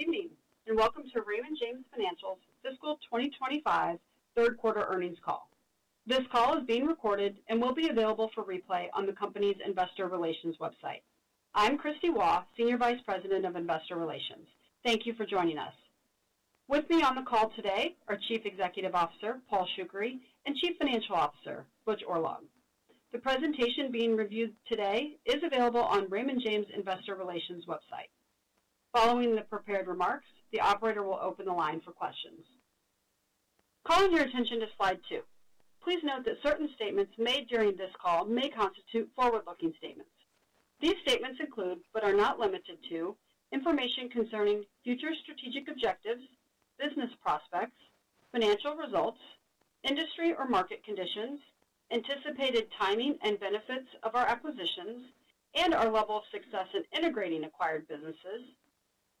Good evening and Welcome to Raymond James Financial's Fiscal 2025 Third-Quarter Earnings Call. This call is being recorded and will be available for replay on the company's Investor Relations website. I'm Kristie Waugh, Senior Vice President of Investor Relations. Thank you for joining us. With me on the call today are Chief Executive Officer, Paul Shoukry and Chief Financial Officer, Butch Oorlog. The presentation being reviewed today is available on Raymond James Investor Relations website. Following the prepared remarks, the operator will open the line for questions. Calling your attention to slide two. Please note that certain statements made during this call may constitute forward-looking statements. These statements include, but are not limited to, information concerning future strategic objectives, business prospects, financial results, industry or market conditions, anticipated timing and benefits of our acquisitions, and our level of success in integrating acquired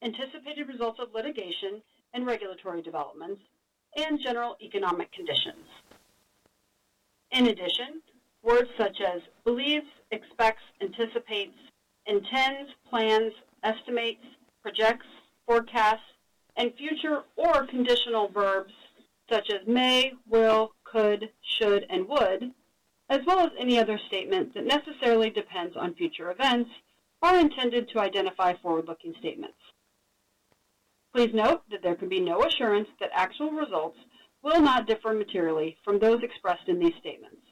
businesses, anticipated results of litigation and regulatory developments, and general economic conditions. In addition, words such as believes, expects, anticipates, intends, plans, estimates, projects, forecasts, and future or conditional verbs such as may, will, could, should, and would, as well as any other statement that necessarily depends on future events, are intended to identify forward-looking statements. Please note that there can be no assurance that actual results will not differ materially from those expressed in these statements.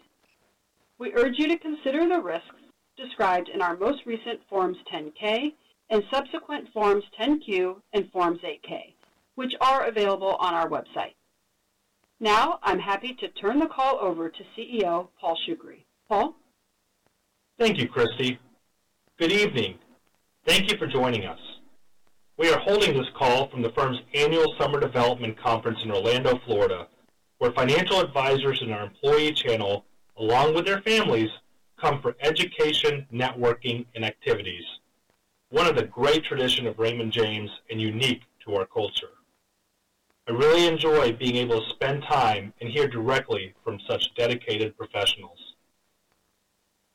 We urge you to consider the risks described in our most recent Forms 10-K and subsequent Forms 10-Q and Forms 8-K, which are available on our website. Now, I'm happy to turn the call over to CEO, Paul Shoukry. Paul? Thank you, Kristie. Good evening. Thank you for joining us. We are holding this call from the firm's annual summer development conference in Orlando, Florida, where financial advisors and our employee channel, along with their families, come for education, networking, and activities, one of the great traditions of Raymond James, and unique to our culture. I really enjoy being able to spend time and hear directly from such dedicated professionals.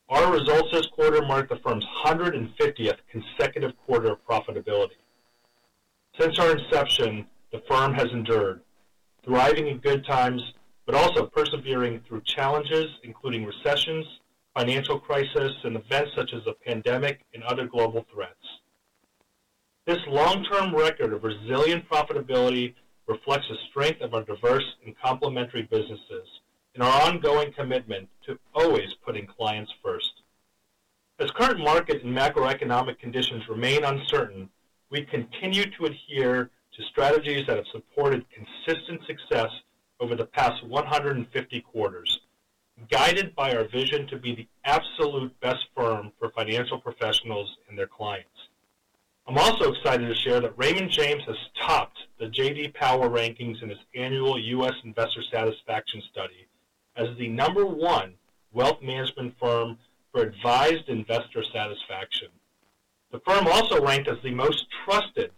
Our results this quarter mark the firm's 150th consecutive quarter of profitability. Since our inception, the firm has endured, thriving in good times, but also persevering through challenges including recessions, financial crises, and events such as the pandemic and other global threats. This long-term record of resilient profitability reflects the strength of our diverse and complementary businesses and our ongoing commitment to always putting clients first. As current market and macroeconomic conditions remain uncertain, we continue to adhere to strategies that have supported consistent success over the past 150 quarters, guided by our vision to be the absolute best firm for financial professionals and their clients. I'm also excited to share that Raymond James, has topped the J.D. Power rankings, in its annual U.S. Investor Satisfaction study, as the number one wealth management firm for advised investor satisfaction. The firm also ranked as the most trusted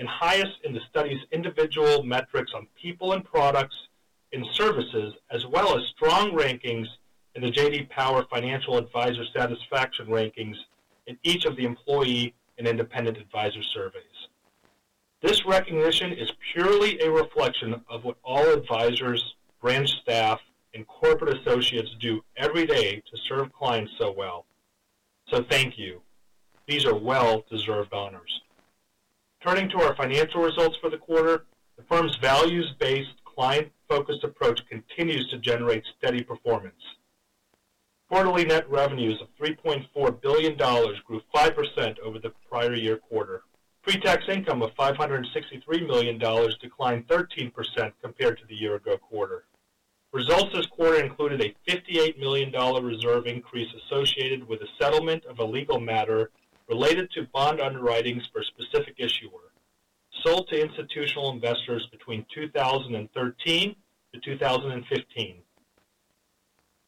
and highest in the study's individual metrics on people and products and services, as well as strong rankings in the J.D. Power Financial Advisor Satisfaction rankings, in each of the employee and independent advisor surveys. This recognition is purely a reflection of what all advisors, branch staff, and corporate associates do every day to serve clients so well. So thank you. These are well-deserved honors. Turning to our financial results for the quarter, the firm's values-based, client-focused approach continues to generate steady performance. Quarterly net revenues, of $3.4 billion grew 5%, over the prior year quarter. Pre-tax income, of $563 million declined 13%, compared to the year-ago quarter. Results this quarter included a $58 million reserve increase associated with the settlement of a legal matter related to bond underwritings, for a specific issuer, sold to institutional investors between 2013 to 2015.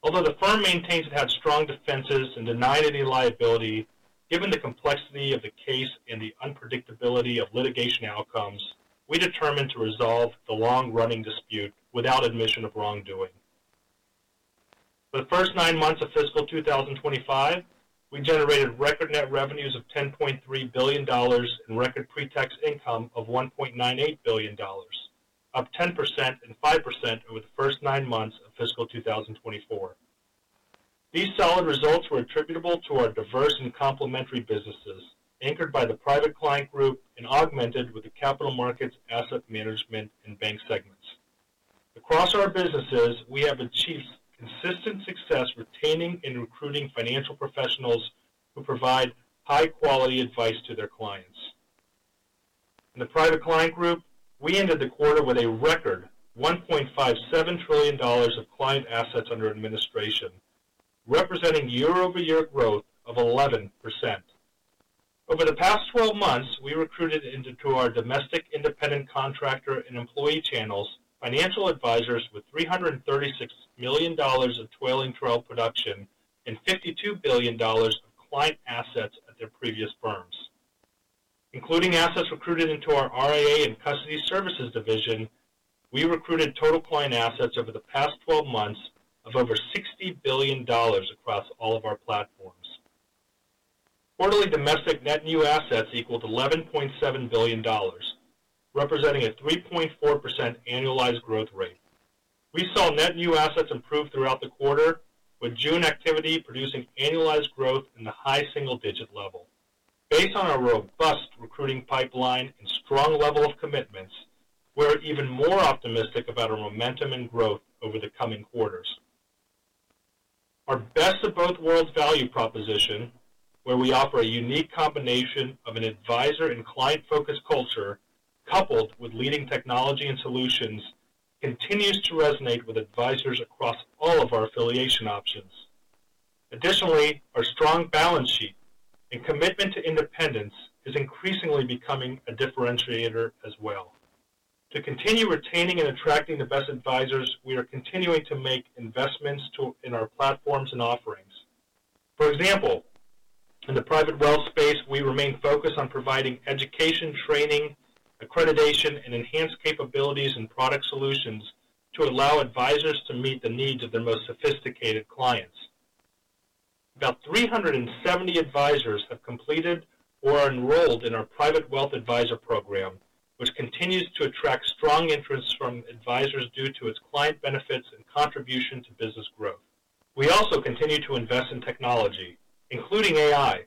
Although the firm maintains it had strong defenses and denied any liability, given the complexity of the case and the unpredictability of litigation outcomes, we determined to resolve the long-running dispute without admission of wrongdoing. For the first nine months of fiscal 2025, we generated record net revenues, of $10.3 billion and record pre-tax income, of $1.98 billion, up 10% and 5%, over the first nine months of fiscal 2024. These solid results were attributable to our diverse and complementary businesses, anchored by the private client group and augmented with the capital markets, asset management, and bank segments. Across our businesses, we have achieved consistent success retaining and recruiting financial professionals who provide high-quality advice to their clients. In the private client group, we ended the quarter with a record $1.57 trillion of client assets under administration, representing year-over-year growth of 11%. Over the past 12 months, we recruited into our domestic independent contractor and employee channels financial advisors, with $336 million of toil and trail production and $52 billion of client assets, at their previous firms. Including assets recruited into our RIA and custody services division, we recruited total client assets, over the past 12 months of over $60 billion across all of our platforms. Quarterly domestic net new assets, equaled $11.7 billion, representing a 3.4%, annualized growth rate. We saw net new assets improve throughout the quarter, with June activity producing annualized growth in the high single-digit level. Based on our robust recruiting pipeline and strong level of commitments, we're even more optimistic about our momentum and growth over the coming quarters. Our best of both worlds value proposition, where we offer a unique combination of an advisor and client-focused culture, coupled with leading technology and solutions, continues to resonate with advisors across all of our affiliation options. Additionally, our strong balance sheet and commitment to independence is increasingly becoming a differentiator as well. To continue retaining and attracting the best advisors, we are continuing to make investments in our platforms and offerings. For example, in the private wealth space, we remain focused on providing education, training, accreditation, and enhanced capabilities and product solutions to allow advisors to meet the needs of their most sophisticated clients. About 370 advisors, have completed or are enrolled in our Private Wealth Advisor Program, which continues to attract strong interest from advisors, due to its client benefits and contribution to business growth. We also continue to invest in technology, including AI,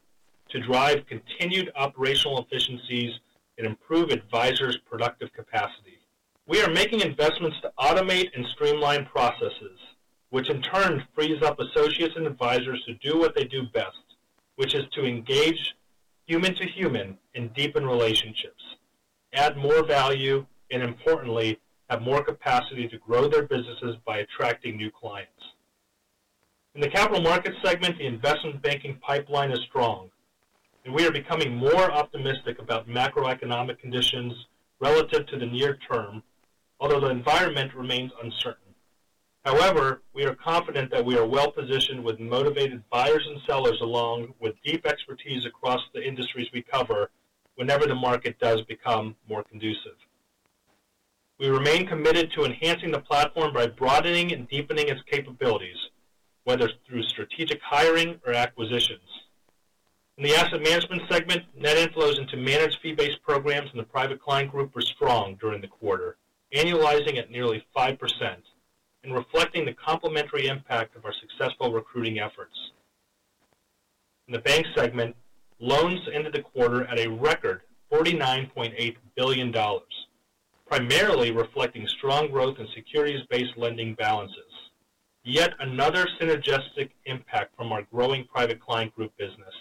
to drive continued operational efficiencies and improve advisors' productive capacity. We are making investments to automate and streamline processes, which in turn frees up associates and advisors to do what they do best, which is to engage human-to-human and deepen relationships, add more value, and importantly, have more capacity to grow their businesses by attracting new clients. In the Capital Markets segment, the investment banking pipeline is strong, and we are becoming more optimistic about macroeconomic conditions, relative to the near term, although the environment remains uncertain. However, we are confident that we are well-positioned with motivated buyers and sellers along with deep expertise across the industries we cover whenever the market does become more conducive. We remain committed to enhancing the platform by broadening and deepening its capabilities, whether through strategic hiring or acquisitions. In the asset management segment, net inflows into managed fee-based programs in the Private Client Group, were strong during the quarter, annualizing at nearly 5%, and reflecting the complementary impact of our successful recruiting efforts. In the bank segment, loans ended the quarter at a record $49.8 billion, primarily reflecting strong growth in securities-based lending balances, yet another synergistic impact from our growing Private Client Group business,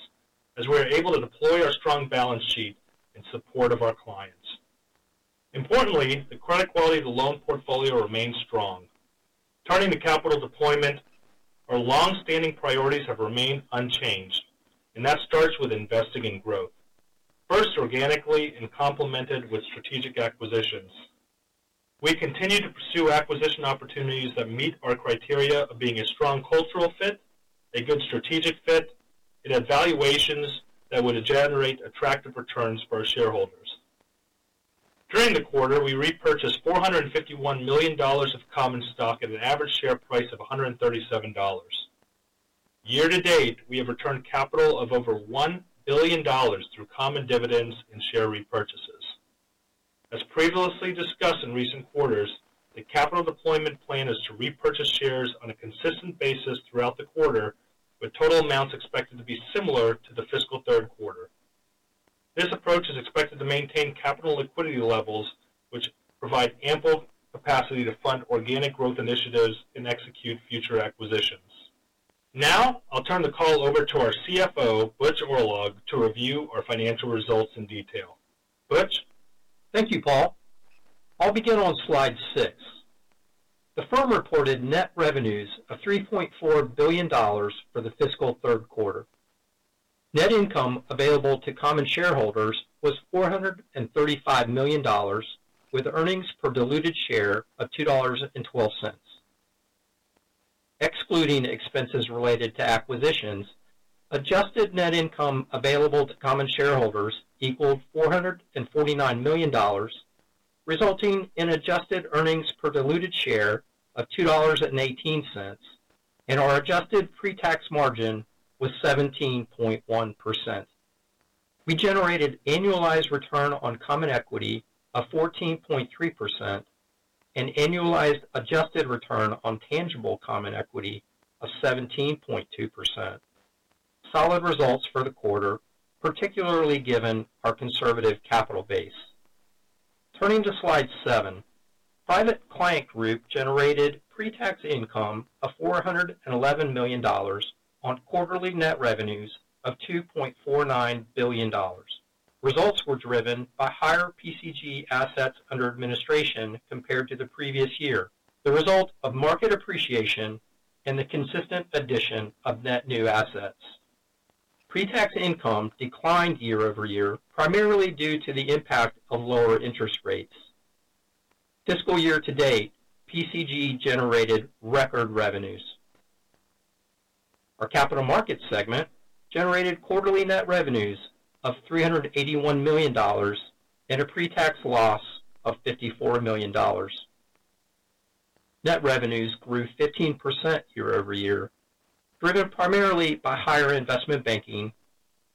as we are able to deploy our strong balance sheet in support of our clients. Importantly, the credit quality of the loan portfolio remains strong. Turning to capital deployment, our long-standing priorities have remained unchanged, and that starts with investing in growth, first organically and complemented with strategic acquisitions. We continue to pursue acquisition opportunities that meet our criteria of being a strong cultural fit, a good strategic fit, and evaluations that would generate attractive returns for our shareholders. During the quarter, we repurchased $451 million of common stock, at an average share price of $137. Year to date, we have returned capital of over $1 billion through common dividends and share repurchases. As previously discussed in recent quarters, the capital deployment plan, is to repurchase shares on a consistent basis throughout the quarter, with total amounts expected to be similar to the fiscal third quarter. This approach is expected to maintain capital liquidity levels, which provide ample capacity to fund organic growth initiatives and execute future acquisitions. Now, I'll turn the call over to our CFO, Butch Oorlog, to review our financial results in detail. Butch. Thank you, Paul. I'll begin on slide six. The firm reported net revenues of $3.4 billion, for the fiscal third quarter. Net income available to common shareholders was $435 million, with earnings per diluted share of $2.12. Excluding expenses related to acquisitions, adjusted net income available to common shareholders equaled $449 million, resulting in adjusted earnings per diluted share of $2.18, and our adjusted pre-tax margin, was 17.1%. We generated annualized return on common equity of 14.3%, and annualized adjusted return on tangible common equity of 17.2%. Solid results for the quarter, particularly given our conservative capital base. Turning to slide seven, Private Client Group generated pre-tax income, of $411 million, on quarterly net revenues of $2.49 billion. Results were driven by higher PCG assets, under administration compared to the previous year, the result of market appreciation and the consistent addition of net new assets. Pre-tax income declined year over year, primarily due to the impact of lower interest rates. Fiscal year to date, PCG generated record revenues. Our capital markets segment generated quarterly net revenues of $381 million and a pre-tax loss of $54 million. Net revenues grew 15%, year over year, driven primarily by higher investment banking,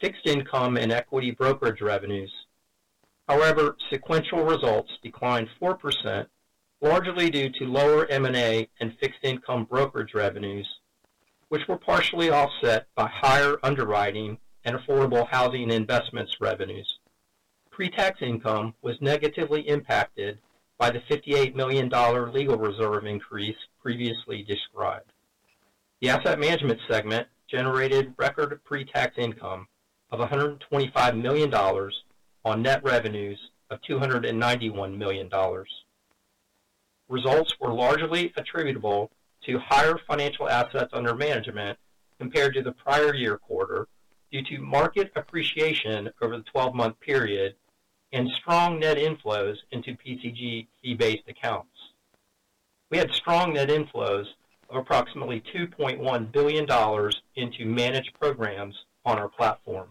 fixed income, and equity brokerage revenues. However, sequential results declined 4%, largely due to lower M&A and fixed income brokerage revenues, which were partially offset by higher underwriting and affordable housing investments revenues. Pre-tax income, was negatively impacted by the $58 million, legal reserve increase previously described. The asset management segment generated record pre-tax income of $125 million, on net revenues of $291 million. Results were largely attributable to higher financial assets, under management compared to the prior year quarter due to market appreciation over the 12-month period and strong net inflows into PCG fee-based accounts. We had strong net inflows of approximately $2.1 billion, into managed programs on our platform.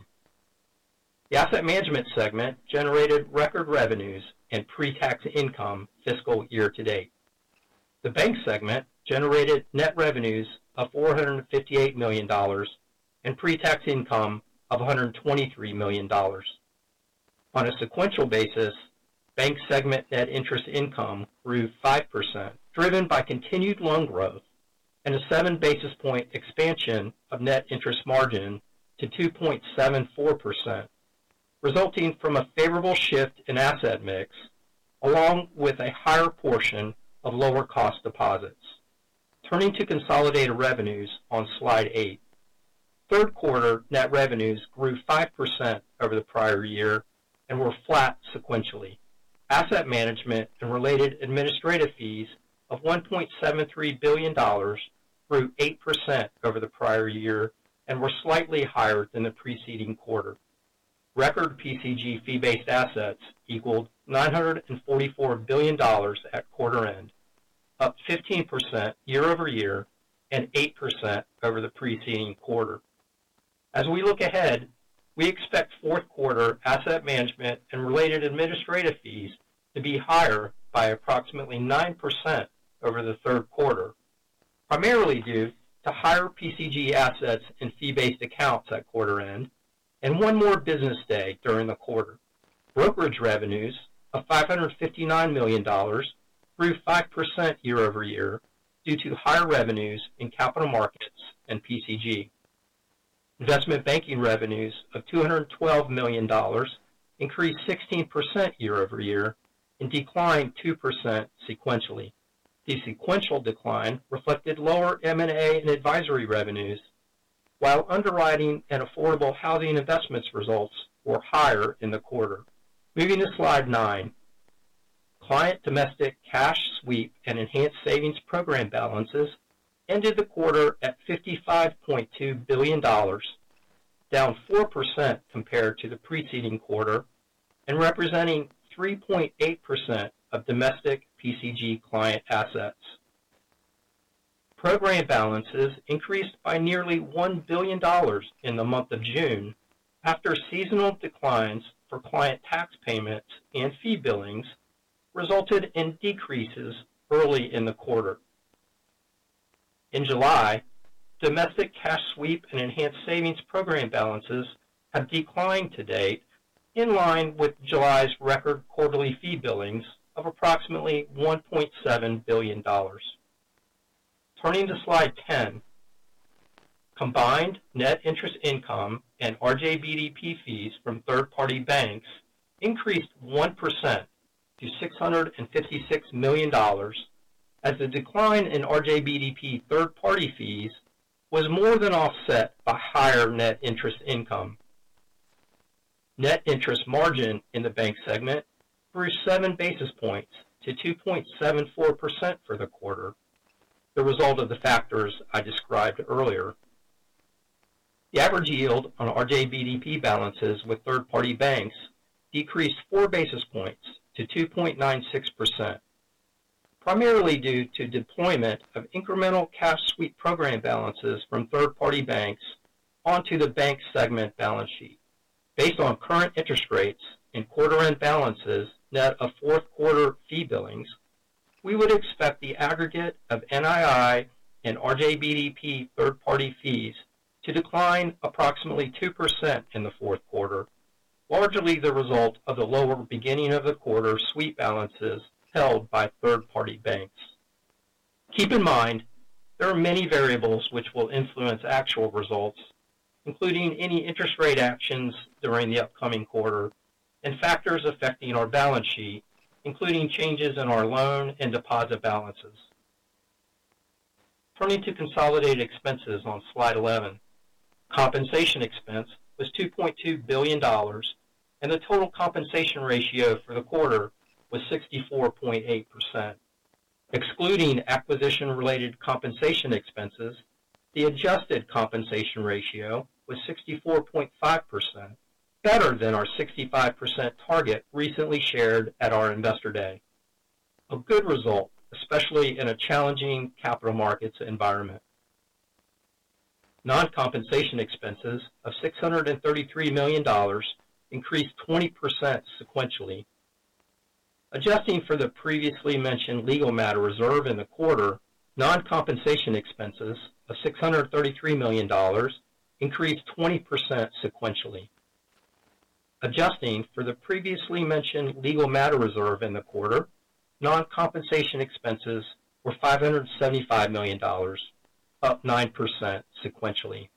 The asset management segment generated record revenues and pre-tax income fiscal year to date. The bank segment generated net revenues of $458 million and pre-tax income of $123 million. On a sequential basis, bank segment net interest income grew 5%, driven by continued loan growth and a seven basis point expansion of net interest margin to 2.74%, resulting from a favorable shift in asset mix, along with a higher portion of lower-cost deposits. Turning to consolidated revenues on slide eight, third quarter net revenues grew 5%, over the prior year and were flat sequentially. Asset management and related administrative fees, of $1.73 billion grew 8%, over the prior year and were slightly higher than the preceding quarter. Record PCG fee-based assets equaled $944 billion at quarter end, up 15%, year over year and 8%, over the preceding quarter. As we look ahead, we expect fourth quarter asset management and related administrative fees to be higher by approximately 9%, over the third quarter, primarily due to higher PCG assets and fee-based accounts, at quarter end and one more business day during the quarter. Brokerage revenues of $559 million. Grew 5%, year over year due to higher revenues in capital markets and PCG. Investment banking revenues of $212 million. Increased 16%, year over year and declined 2%, sequentially. The sequential decline reflected lower M&A and advisory revenues, while underwriting and affordable housing investments results were higher in the quarter. Moving to slide nine. Client domestic cash sweep and enhanced savings program balances ended the quarter at $55.2 billion. Down 4%, compared to the preceding quarter and representing 3.8%, of domestic PCG client assets. Program balances increased by nearly $1 billion in the month of June, after seasonal declines for client tax payments and fee billings resulted in decreases early in the quarter. In July, domestic cash sweep and enhanced savings program balances have declined to date, in line with July's record, quarterly fee billings of approximately $1.7 billion. Turning to slide 10. Combined net interest income and RJBDP fees, from third-party banks increased 1%, to $656 million. As the decline in RJBDP third-party fees, was more than offset by higher net interest income. Net interest margin in the bank segment grew seven basis points to 2.74%, for the quarter, the result of the factors I described earlier. The average yield on RJBDP balances, with third-party banks decreased four basis points to 2.96%. Primarily due to deployment of incremental cash sweep program balances from third-party banks onto the bank segment balance sheet. Based on current interest rates and quarter-end balances net of fourth quarter fee billings, we would expect the aggregate of NII and RJBDP third-party fees, to decline approximately 2%, in the fourth quarter, largely the result of the lower beginning of the quarter sweep balances held by third-party banks. Keep in mind, there are many variables which will influence actual results, including any interest rate actions during the upcoming quarter and factors affecting our balance sheet, including changes in our loan and deposit balances. Turning to consolidated expenses on slide 11, compensation expense was $2.2 billion. And the total compensation ratio for the quarter was 64.8%. Excluding acquisition-related compensation expenses, the adjusted compensation ratio was 64.5%, better than our 65% target, recently shared at our investor day. A good result, especially in a challenging capital markets environment. Non-compensation expenses of $633 million. Increased 20%, sequentially. Adjusting for the previously mentioned legal matter reserve in the quarter, non-compensation expenses of $633 million. Increased 20% sequentially. Adjusting for the previously mentioned legal matter reserve in the quarter, non-compensation expenses were $575 million. Up 9%, sequentially.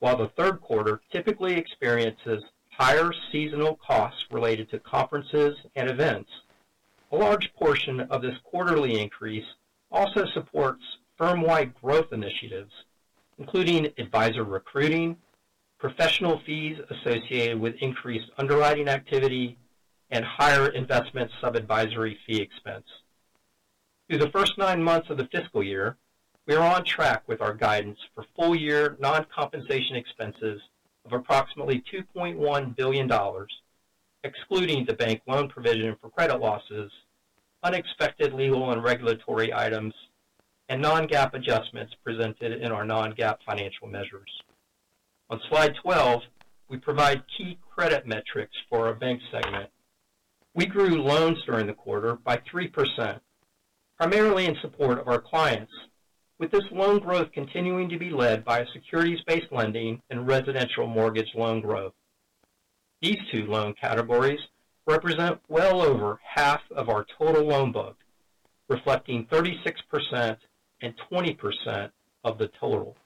While the third quarter typically experiences higher seasonal costs related to conferences and events, a large portion of this quarterly increase also supports firm-wide growth initiatives, including advisor recruiting, professional fees associated with increased underwriting activity, and higher investment sub-advisory fee expense. Through the first nine months of the fiscal year, we are on track with our guidance for full-year non-compensation expenses of approximately $2.1 billion. Excluding the bank loan provision for credit losses, unexpected legal and regulatory items, and non-GAAP adjustments presented in our non-GAAP financial measures. On slide 12, we provide key credit metrics for our bank segment. We grew loans during the quarter by 3%, primarily in support of our clients, with this loan growth continuing to be led by securities-based lending and residential mortgage loan growth. These two loan categories represent well over half of our total loan book, reflecting 36% and 20%, of the total.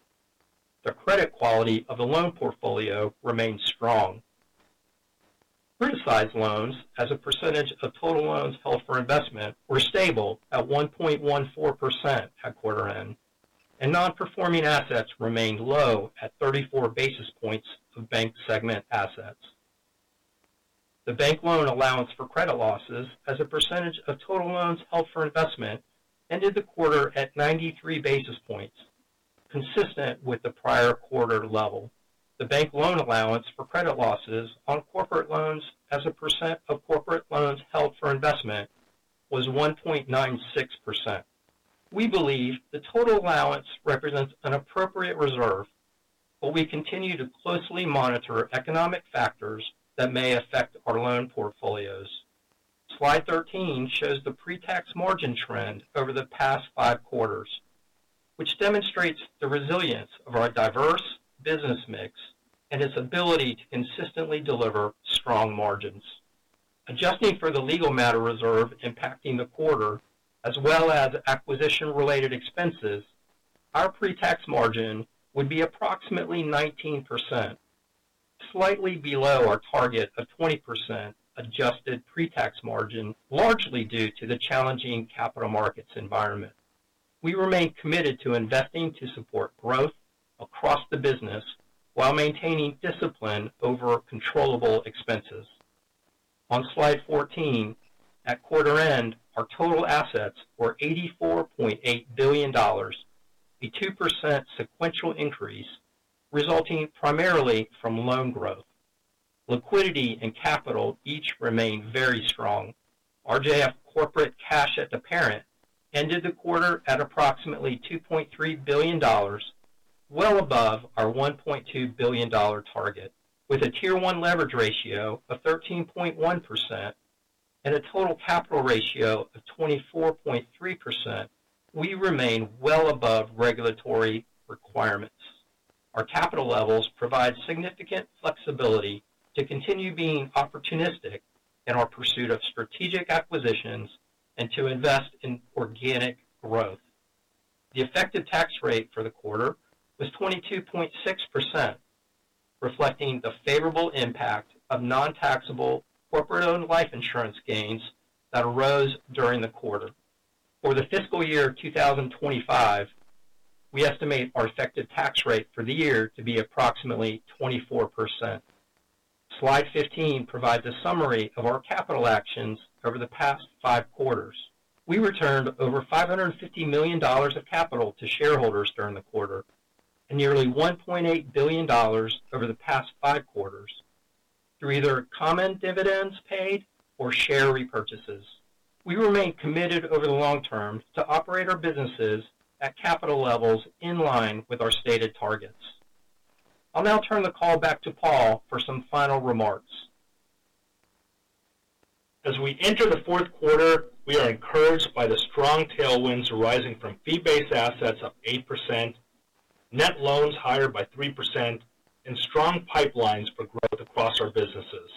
The credit quality of the loan portfolio remains strong. Criticized loans, as a percentage of total loans held for investment, were stable at 1.14%, at quarter end, and non-performing assets remained low at 34 basis points, of bank segment assets. The bank loan allowance for credit losses, as a percentage of total loans held for investment, ended the quarter at 93 basis points, consistent with the prior quarter level. The bank loan allowance for credit losses on corporate loans, as a percent of corporate loans held for investment, was 1.96%. We believe the total allowance represents an appropriate reserve, but we continue to closely monitor economic factors that may affect our loan portfolios. Slide 13 shows the pre-tax margin trend over the past five quarters, which demonstrates the resilience of our diverse business mix and its ability to consistently deliver strong margins. Adjusting for the legal matter reserve impacting the quarter, as well as acquisition-related expenses, our pre-tax margin, would be approximately 19%. Slightly below our target of 20% adjusted pre-tax margin, largely due to the challenging capital markets environment. We remain committed to investing to support growth across the business while maintaining discipline over controllable expenses. On slide 14, at quarter end, our total assets were $84.8 billion, a 2%, sequential increase, resulting primarily from loan growth. Liquidity and capital each remain very strong. RJF Corporate Cash, at the parent ended the quarter at approximately $2.3 billion, well above our $1.2 billion target. With a tier 1 leverage ratio of 13.1% and a total capital ratio of 24.3%, we remain well above regulatory requirements. Our capital levels provide significant flexibility to continue being opportunistic in our pursuit of strategic acquisitions and to invest in organic growth. The effective tax rate for the quarter was 22.6%, reflecting the favorable impact of non-taxable corporate-owned life insurance gains that arose during the quarter. For the fiscal year 2025, we estimate our effective tax rate for the year to be approximately 24%. Slide 15 provides a summary of our capital actions over the past five quarters. We returned over $550 million of capital to shareholders, during the quarter and nearly $1.8 billion over the past five quarters,1 through either common dividends paid or share repurchases. We remain committed over the long term to operate our businesses at capital levels in line with our stated targets. I'll now turn the call back to Paul for some final remarks. As we enter the fourth quarter, we are encouraged by the strong tailwinds arising from fee-based assets up 8%. Net loans higher by 3%, and strong pipelines for growth across our businesses.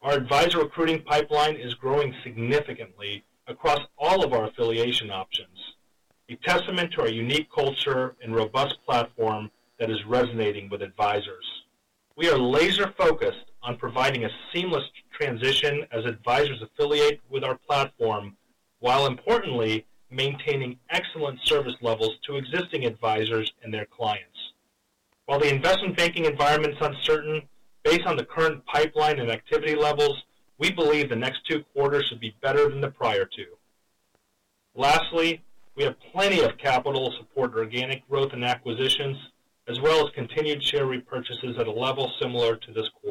Our advisor recruiting pipeline is growing significantly across all of our affiliation options, a testament to our unique culture and robust platform that is resonating with advisors. We are laser-focused on providing a seamless transition as advisors affiliate with our platform, while importantly maintaining excellent service levels to existing advisors and their clients. While the investment banking environment's uncertain, based on the current pipeline and activity levels, we believe the next two quarters should be better than the prior two. Lastly, we have plenty of capital to support organic growth and acquisitions, as well as continued share repurchases at a level similar to this quarter.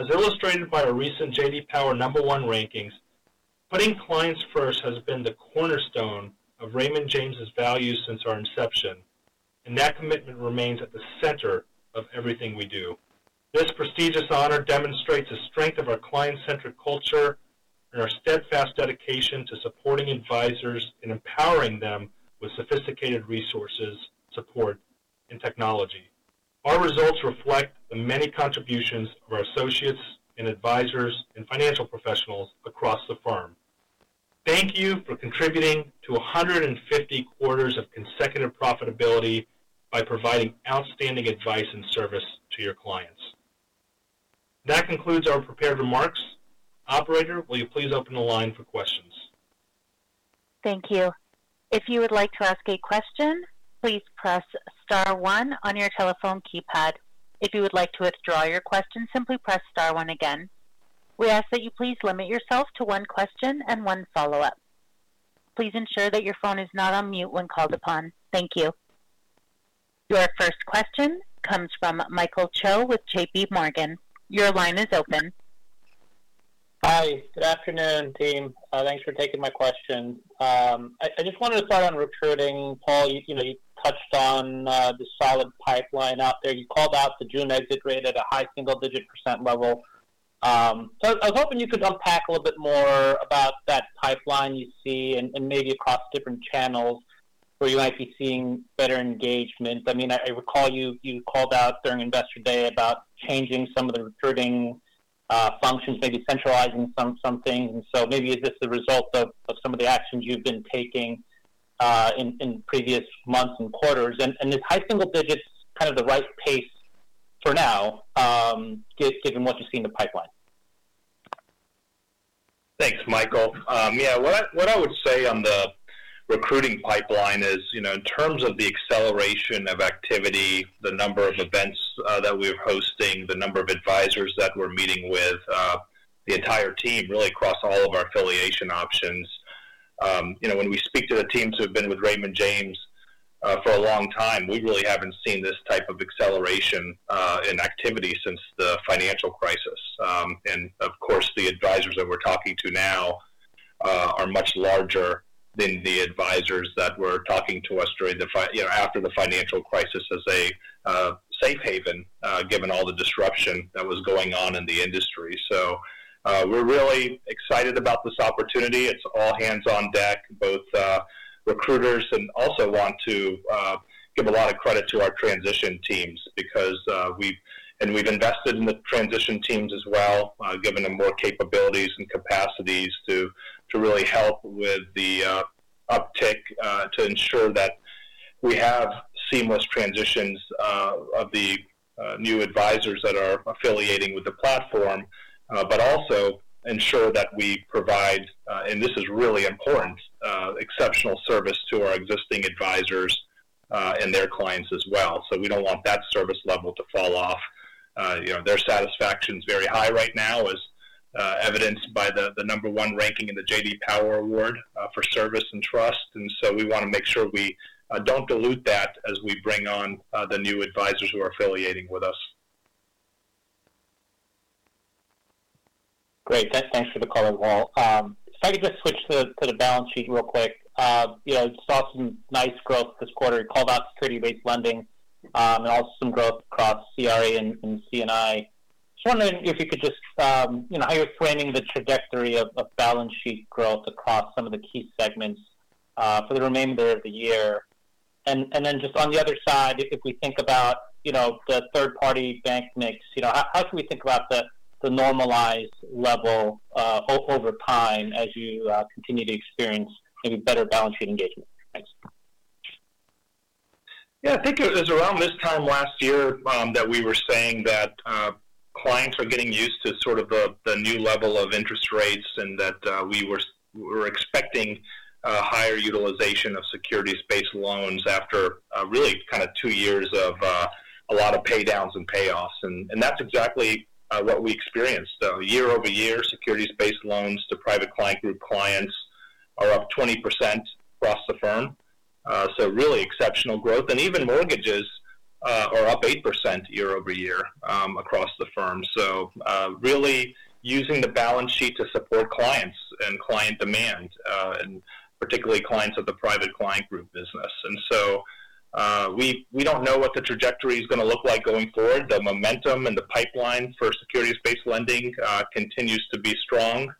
As illustrated by our recent J.D. Power Number One rankings, putting clients first has been the cornerstone of Raymond James's values, since our inception, and that commitment remains at the center of everything we do. This prestigious honor demonstrates the strength of our client-centric culture and our steadfast dedication to supporting advisors and empowering them with sophisticated resources, support, and technology. Our results reflect the many contributions of our associates and advisors and financial professionals across the firm. Thank you for contributing to 150 quarters of consecutive profitability by providing outstanding advice and service to your clients. That concludes our prepared remarks. Operator, will you please open the line for questions? Thank you. If you would like to ask a question, please press Star 1 on your telephone keypad. If you would like to withdraw your question, simply press Star 1 again. We ask that you please limit yourself to one question and one follow-up. Please ensure that your phone is not on mute when called upon. Thank you. Your first question comes from Michael Cho with JPMorgan. Your line is open. Hi. Good afternoon, team. Thanks for taking my question. I just wanted to start on recruiting, Paul. You touched on the solid pipeline out there. You called out the June exit rate, at a high single-digit % level. I was hoping you could unpack a little bit more about that pipeline you see and maybe across different channels where you might be seeing better engagement. I mean, I recall you called out during investor day about changing some of the recruiting functions, maybe centralizing some things. And so maybe is this the result of some of the actions you've been taking in previous months and quarters? And is high single digits kind of the right pace for now, given what you see in the pipeline? Thanks, Michael. Yeah, what I would say on the recruiting pipeline is, in terms of the acceleration of activity, the number of events that we're hosting, the number of advisors that we're meeting with. The entire team, really across all of our affiliation options. When we speak to the teams who have been with Raymond James, for a long time, we really have not seen this type of acceleration in activity since the financial crisis. Of course, the advisors that we are talking to now are much larger than the advisors that were talking to us after the financial crisis as a safe haven, given all the disruption that was going on in the industry. We are really excited about this opportunity. It is all hands on deck, both recruiters and also want to give a lot of credit to our transition teams because we have invested in the transition teams as well, given them more capabilities and capacities to really help with the uptake to ensure that we have seamless transitions of the new advisors, that are affiliating with the platform, but also ensure that we provide—and this is really important—exceptional service to our existing advisors and their clients as well. We do not want that service level to fall off. Their satisfaction is very high right now, as evidenced by the number one ranking in the J.D. Power Award, for service and trust. We want to make sure we do not dilute that as we bring on the new advisors who are affiliating with us. Great. Thanks for the call, Paul. If I could just switch to the balance sheet real quick. You saw some nice growth this quarter. You called out securities-based lending and also some growth across CRA and CNI. I just wanted to know if you could just—how you are framing the trajectory of balance sheet growth, across some of the key segments for the remainder of the year. On the other side, if we think about the third-party bank mix, how can we think about the normalized level over time as you continue to experience maybe better balance sheet engagement? Thanks. I think it was around this time last year that we were saying that clients are getting used to sort of the new level of interest rates and that we were expecting higher utilization of securities-based loans after really kind of two years of a lot of paydowns and payoffs. That is exactly what we experienced. Year-over-year, securities-based loans to Private Client Group clients, are up 20% ,across the firm. Really exceptional growth. Even mortgages are up 8%, year-over-year across the firm. Really using the balance sheet to support clients and client demand, and particularly clients of the Private Client Group business. We do not know what the trajectory is going to look like going forward. The momentum and the pipeline for securities-based lending continues to be strong.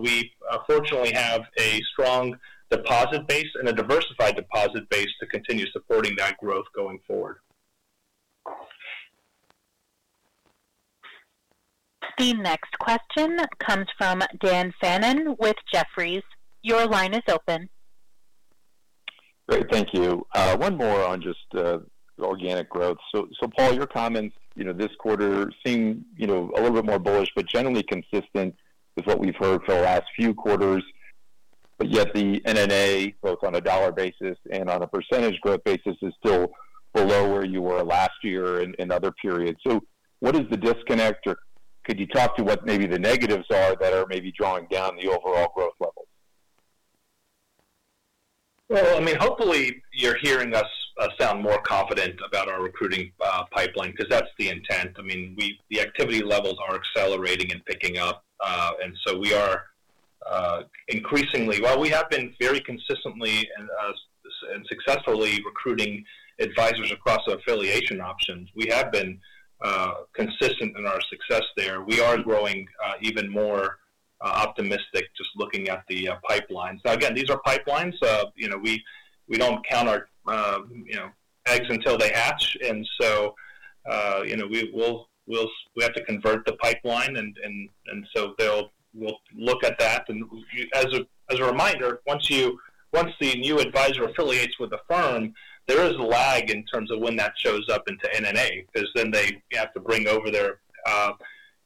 We fortunately have a strong deposit base and a diversified deposit base to continue supporting that growth going forward. The next question comes from Dan Fannon, with Jefferies. Your line is open. Great. Thank you. One more on just organic growth. Paul, your comments this quarter seem a little bit more bullish, but generally consistent with what we've heard for the last few quarters. Yet the NNA, both on a dollar basis and on a percentage growth basis, is still below where you were last year and other periods. What is the disconnect, or could you talk to what maybe the negatives are that are maybe drawing down the overall growth levels? Hopefully you're hearing us sound more confident about our recruiting pipeline because that's the intent. The activity levels are accelerating and picking up. We are increasingly—well, we have been very consistently and successfully recruiting advisors, across our affiliation options. We have been consistent in our success there. We are growing even more optimistic just looking at the pipeline. Again, these are pipelines. We do not count our eggs until they hatch. We have to convert the pipeline, and we will look at that. As a reminder, once the new advisor affiliates with the firm, there is a lag in terms of when that shows up into NNA, because then they have to bring over their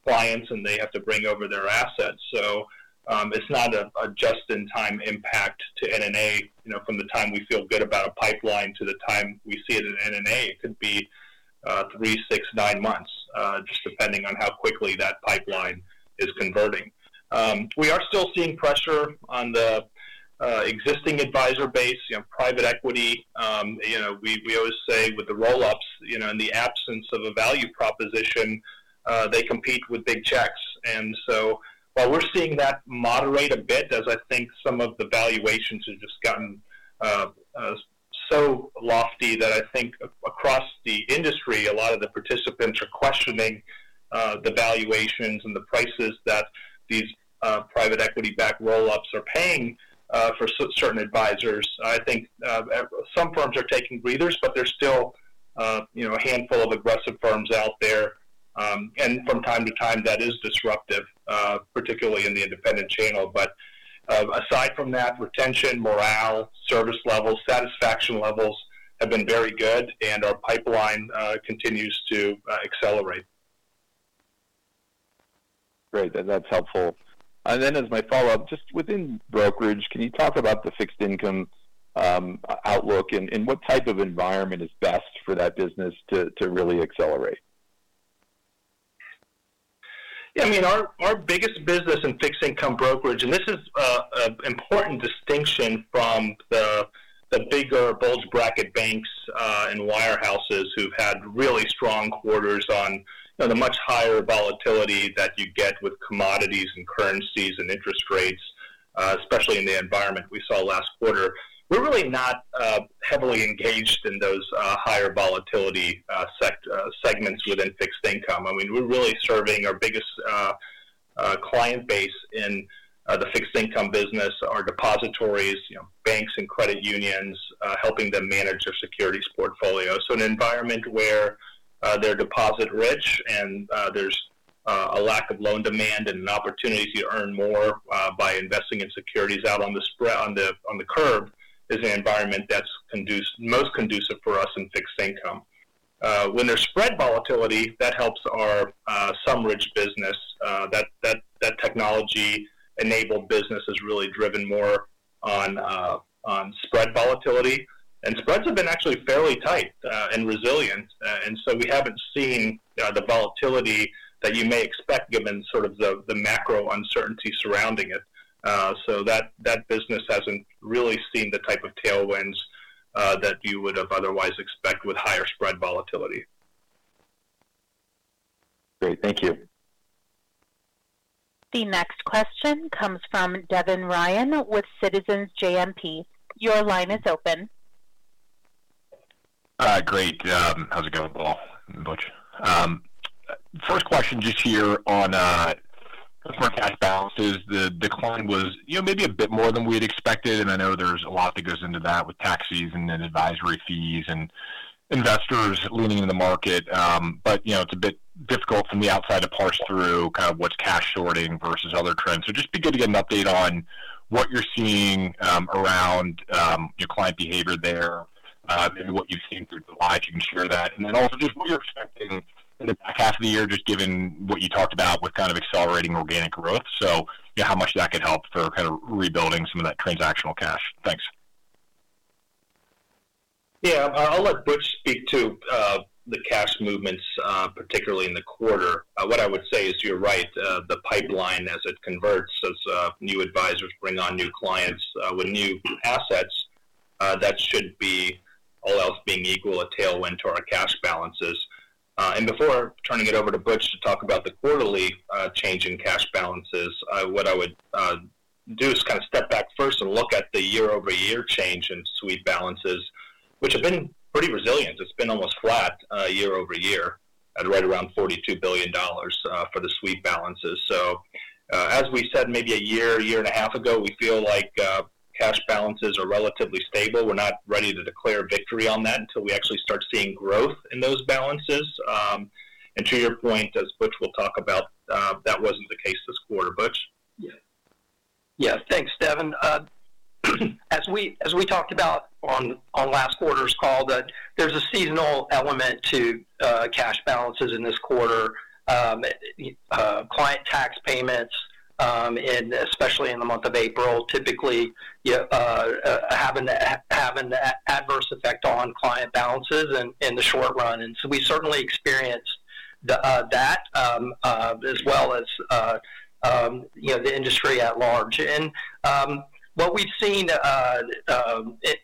clients and they have to bring over their assets. It is not a just-in-time impact to NNA, from the time we feel good about a pipeline to the time we see it in NNA. It could be three, six, nine months, just depending on how quickly that pipeline is converting. We are still seeing pressure on the existing advisor base, private equity. We always say with the roll-ups, in the absence of a value proposition, they compete with big checks. While we are seeing that moderate a bit, as I think some of the valuations have just gotten so lofty that I think across the industry, a lot of the participants are questioning the valuations and the prices that these private equity-backed roll-ups are paying for certain advisors. I think some firms are taking breathers, but there is still a handful of aggressive firms out there. From time to time, that is disruptive, particularly in the independent channel. Aside from that, retention, morale, service levels, satisfaction levels have been very good, and our pipeline continues to accelerate. Great. That's helpful. As my follow-up, just within brokerage, can you talk about the fixed income outlook and what type of environment is best for that business to really accelerate? Yeah.Our biggest business in fixed income brokerage—and this is an important distinction from the bigger bulge bracket banks and wirehouses who've had really strong quarters on the much higher volatility that you get with commodities and currencies and interest rates, especially in the environment we saw last quarter—we're really not heavily engaged in those higher volatility segments within fixed income. We are really serving our biggest client base in the fixed income business, our depositories, banks, and credit unions, helping them manage their securities portfolio. An environment where they're deposit-rich and there's a lack of loan demand and an opportunity to earn more by investing in securities out on the curb is an environment that's most conducive for us in fixed income. When there's spread volatility, that helps our summer-rich business. That technology-enabled business, is really driven more on spread volatility. And spreads have been actually fairly tight and resilient. We haven't seen the volatility that you may expect given sort of the macro uncertainty surrounding it. That business hasn't really seen the type of tailwinds that you would have otherwise expected with higher spread volatility. Great. Thank you. The next question comes from Devin Ryan, with Citizens JMP. Your line is open. Great. How's it going, Paul? First question just here on customer cash balances. The decline was maybe a bit more than we had expected. I know there's a lot that goes into that with tax season and advisory fees and investors leaning into the market. It's a bit difficult from the outside to parse through kind of what's cash shorting versus other trends. It would be good to get an update on what you're seeing around your client behavior there, maybe what you've seen through July, if you can share that. Also just what you're expecting in the back half of the year, just given what you talked about with kind of accelerating organic growth. How much that could help for kind of rebuilding some of that transactional cash. Thanks. I'll let Butch, speak to the cash movements, particularly in the quarter. What I would say is you're right. The pipeline, as it converts, as new advisors bring on new clients with new assets, that should be, all else being equal, a tailwind to our cash balances. Before turning it over to Butch, to talk about the quarterly change in cash balances, what I would do is kind of step back first and look at the year-over-year change in suite balances, which have been pretty resilient. It's been almost flat year-over-year, right around $42 billion for the suite balances. As we said maybe a year, year and a half ago, we feel like cash balances are relatively stable. We're not ready to declare victory on that until we actually start seeing growth in those balances. To your point, as Butch will talk about, that wasn't the case this quarter, Butch. Yeah. Thanks, Devin. As we talked about on last quarter's call, there's a seasonal element to cash balances in this quarter. Client tax payments, especially in the month of April, typically have an adverse effect on client balances in the short run. We certainly experienced that, as well as the industry at large. What we've seen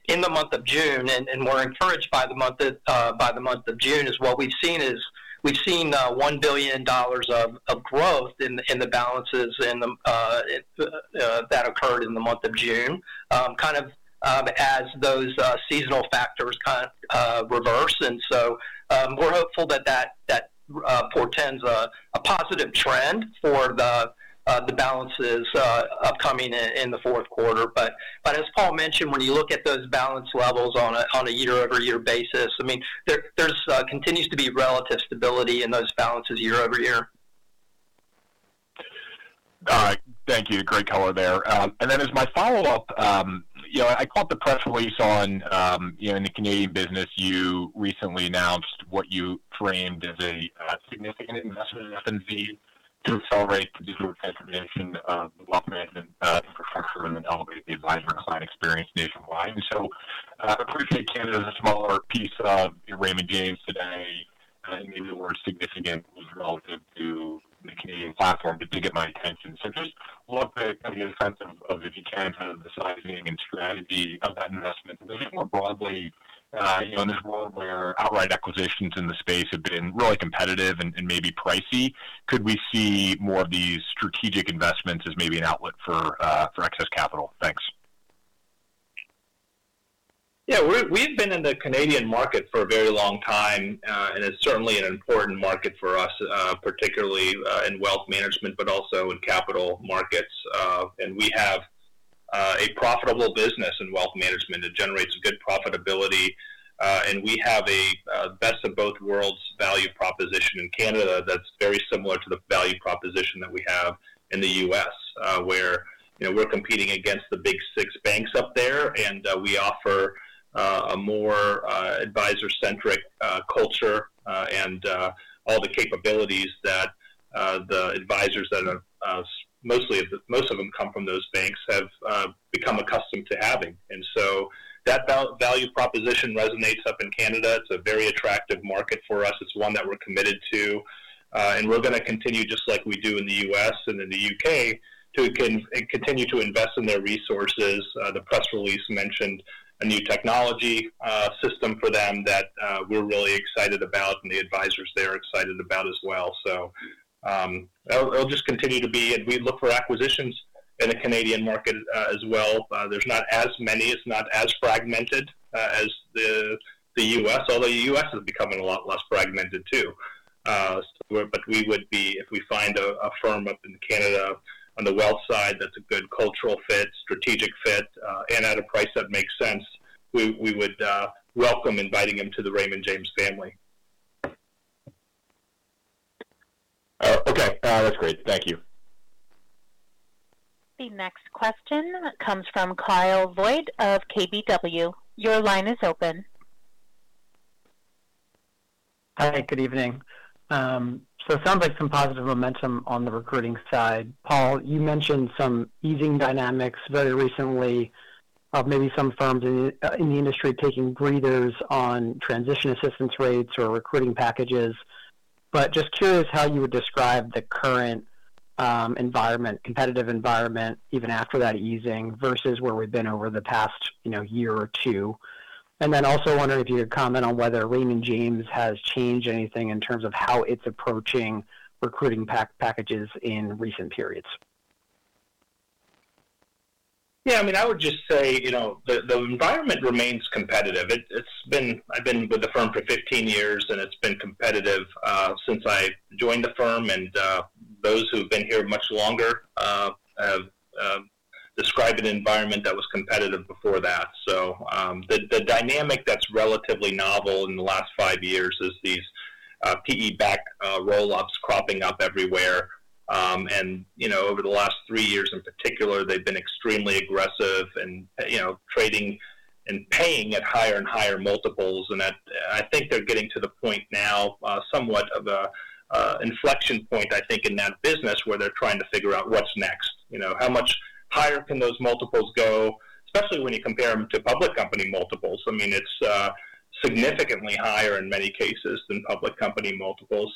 in the month of June, and we're encouraged by the month of June, is what we've seen is we've seen $1 billion of growth, in the balances that. Occurred in the month of June, kind of as those seasonal factors kind of reverse. We're hopeful that that portends a positive trend for the balances upcoming in the fourth quarter. As Paul, mentioned, when you look at those balance levels on a year-over-year basis, I mean, there continues to be relative stability in those balances year-over-year. All right. Thank you. Great color there. As my follow-up, I caught the press release on in the Canadian business, you recently announced what you framed as a significant investment, in FNZ, to accelerate the digital transformation of wealth management infrastructure and then elevate the advisor client experience nationwide. I appreciate Canada as a smaller piece of Raymond James, today, and maybe the word significant was relative to the Canadian platform, but did get my attention. Just love to kind of get a sense of, if you can, kind of the sizing and strategy of that investment. A bit more broadly, in this world where outright acquisitions in the space have been really competitive and maybe pricey, could we see more of these strategic investments as maybe an outlet for excess capital? ,Thanks. Yeah. We've been in the Canadian market, for a very long time, and it's certainly an important market for us, particularly in wealth management, but also in capital markets. We have a profitable business in wealth management that generates good profitability. We have a best of both worlds value proposition in Canada, that's very similar to the value proposition that we have in the U.S., where we're competing against the big six banks, up there. We offer a more advisor-centric culture and all the capabilities that the advisors, that most of them come from those banks have become accustomed to having. That value proposition resonates up in Canada. It's a very attractive market for us. It's one that we're committed to, and we're going to continue just like we do in the U.S. and in the U.K. to continue to invest in their resources. The press release mentioned a new technology system for them that we're really excited about, and the advisors there are excited about as well. It'll just continue to be, and we look for acquisitions in the Canadian market, as well. There's not as many. It's not as fragmented as the U.S., although the U.S. is becoming a lot less fragmented too. We would be, if we find a firm up in Canada on the wealth side that's a good cultural fit, strategic fit, and at a price that makes sense, we would welcome inviting them to the Raymond James family. Okay. That's great. Thank you. The next question comes from Kyle Voigt, of KBW. line is open. Hi. Good evening. It sounds like some positive momentum on the recruiting side. Paul, you mentioned some easing dynamics very recently of maybe some firms in the industry taking breathers on transition assistance rates or recruiting packages. Just curious how you would describe the current environment, competitive environment, even after that easing versus where we've been over the past year or two. Also wondering if you could comment on whether Raymond James, has changed anything in terms of how it's approaching recruiting packages in recent periods. Yeah. I mean, I would just say the environment remains competitive. I've been with the firm for 15 years, and it's been competitive since I joined the firm. Those who've been here much longer have described an environment that was competitive before that. The dynamic that's relatively novel in the last five years is these PE-backed roll-ups cropping up everywhere. Over the last three years in particular, they've been extremely aggressive in trading and paying at higher and higher multiples. I think they're getting to the point now, somewhat of an inflection point, in that business where they're trying to figure out what's next. How much higher can those multiples go, especially when you compare them to public company multiples? It's significantly higher in many cases than public company multiples.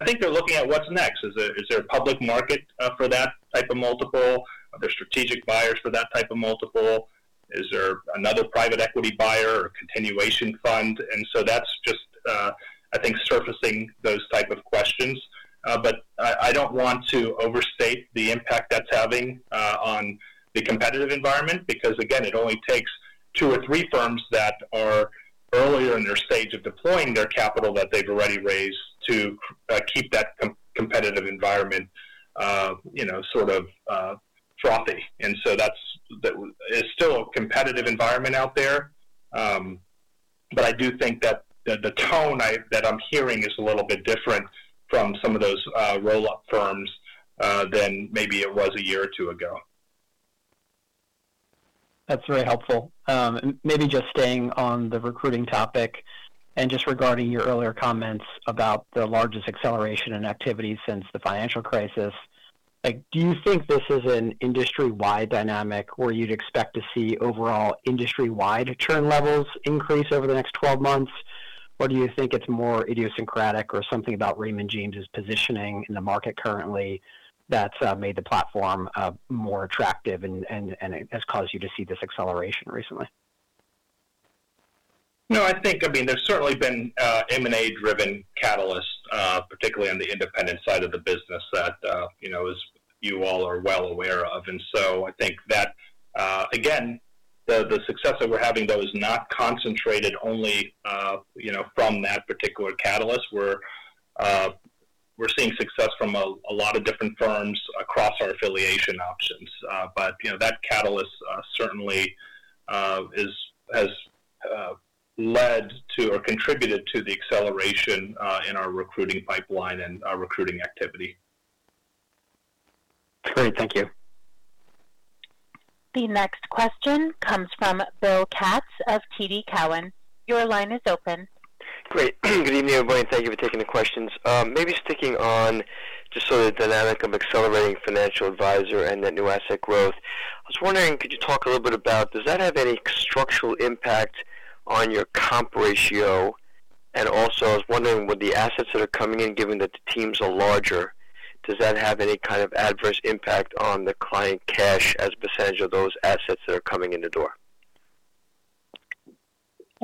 I think they're looking at what's next. Is there a public market for that type of multiple? Are there strategic buyers for that type of multiple? Is there another private equity buyer or continuation fund? That's just, I think, surfacing those type of questions. I don't want to overstate the impact that's having on the competitive environment because, again, it only takes two or three firms that are earlier in their stage of deploying their capital that they've already raised to keep that competitive environment sort of frothy. There's still a competitive environment out there. I do think that the tone that I'm hearing is a little bit different from some of those roll-up firms than maybe it was a year or two ago. That's very helpful. Maybe just staying on the recruiting topic and just regarding your earlier comments about the largest acceleration in activity since the financial crisis, do you think this is an industry-wide dynamic, where you'd expect to see overall industry-wide churn levels increase, over the next 12 months? Or do you think it's more idiosyncratic or something about Raymond James's, positioning in the market currently that's made the platform more attractive and has caused you to see this acceleration recently? No, I think, I mean, there's certainly been M&A-driven catalysts, particularly on the independent side of the business that you all are well aware of. I think that, again, the success that we're having, though, is not concentrated only from that particular catalyst. We're seeing success from a lot of different firms across our affiliation options. That catalyst certainly has. Led to or contributed to the acceleration in our recruiting pipeline and our recruiting activity. Great. Thank you. The next question comes from Bill Katz, of TD Cowen. Your line is open. Great. Good evening, everybody. And thank you for taking the questions. Maybe just taking on just sort of the dynamic of accelerating financial advisor, and net new asset growth, I was wondering, could you talk a little bit about, does that have any structural impact on your comp ratio? And also, I was wondering, with the assets that are coming in, given that the teams are larger, does that have any kind of adverse impact on the client cash as percentag,e of those assets that are coming in the door?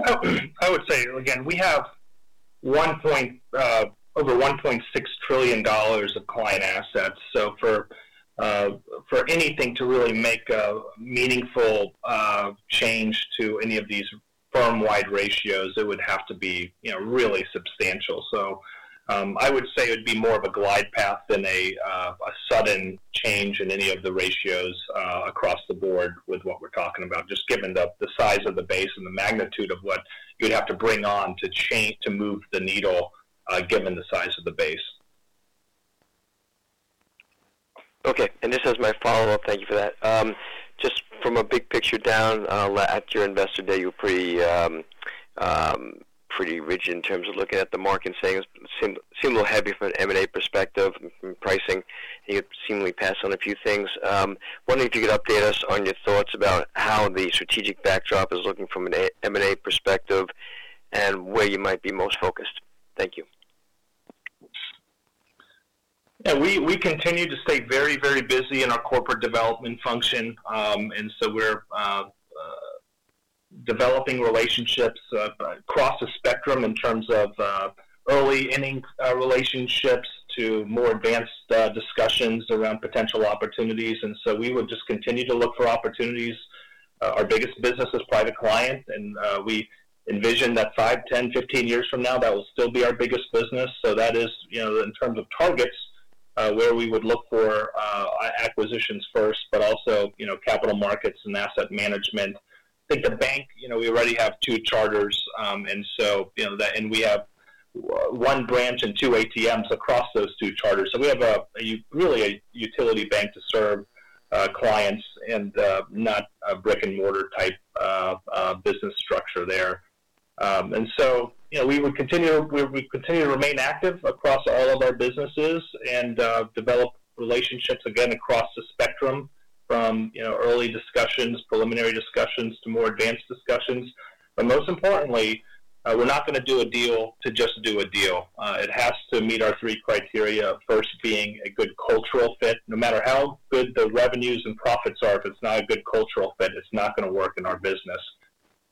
I would say, again, we have over $1.6 trillion of client assets. So for anything to really make a meaningful change to any of these firm-wide ratios, it would have to be really substantial. I would say it would be more of a glide path than a sudden change in any of the ratios across the board with what we're talking about, just given the size of the base and the magnitude of what you'd have to bring on to move the needle given the size of the base. Okay. And just as my follow-up, thank you for that. Just from a big picture down at your investor day, you were pretty rigid in terms of looking at the market and saying it seemed a little heavy from an M&A perspective and pricing. You seemingly passed on a few things. Wondering if you could update us on your thoughts about how the strategic backdrop is looking from an M&A perspective, and where you might be most focused. Thank you. Yeah. We continue to stay very, very busy in our corporate development function. We are developing relationships across the spectrum in terms of early-inning relationships to more advanced discussions around potential opportunities. We would just continue to look for opportunities. Our biggest business is private clients. We envision that 5, 10, 15 years from now, that will still be our biggest business. That is, in terms of targets, where we would look for acquisitions first, but also capital markets and asset management. I think the bank, we already have two charters. We have one branch and two ATMs, across those two charters. We have really a utility bank to serve clients and not a brick-and-mortar type, business structure there. We would continue to remain active across all of our businesses and develop relationships, again, across the spectrum from early discussions, preliminary discussions, to more advanced discussions. Most importantly, we're not going to do a deal to just do a deal. It has to meet our three criteria, first being a good cultural fit. No matter how good the revenues and profits are, if it's not a good cultural fit, it's not going to work in our business.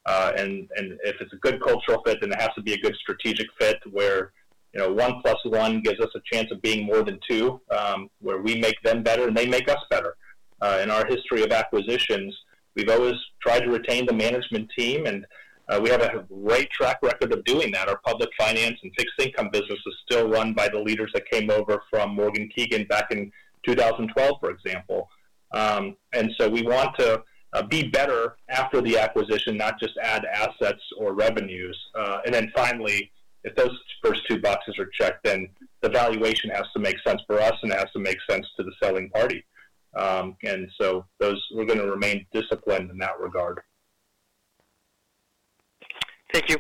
If it's a good cultural fit, then it has to be a good strategic fit where one plus one gives us a chance of being more than two, where we make them better and they make us better. In our history of acquisitions, we've always tried to retain the management team, and we have a great track record of doing that. Our public finance and fixed-income business is still run by the leaders that came over from Morgan Keegan, back in 2012, for example. We want to be better after the acquisition, not just add assets or revenues. Finally, if those first two boxes are checked, then the valuation has to make sense for us, and it has to make sense to the selling party. We're going to remain disciplined in that regard. Thank you.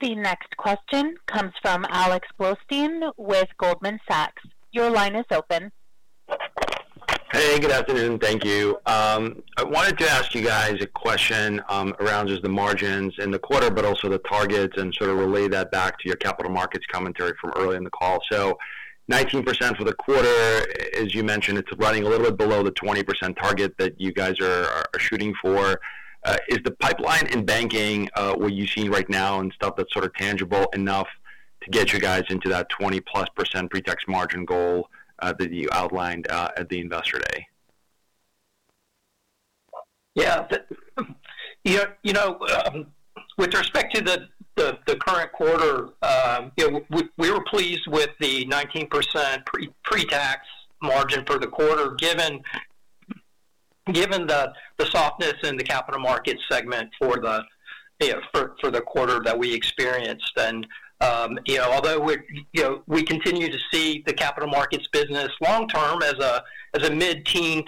The next question comes from Alex Blostein, with Goldman Sachs. Your line is open. Hey. Good afternoon. Thank you. I wanted to ask you guys a question around just the margins in the quarter, but also the targets and sort of relay that back to your capital markets commentary from earlier in the call. So 19%, for the quarter, as you mentioned, it's running a little bit below the 20% target, that you guys are shooting for. Is the pipeline in banking what you see right now and stuff that's sort of tangible enough to get you guys into that 20-plus % pre-tax margin goal, that you outlined at the investor day? Yeah. With respect to the current quarter, we were pleased with the 19%, pre-tax margin, for the quarter given the softness in the capital markets segment, for the quarter that we experienced. Although we continue to see the capital markets business long-term as a mid-teen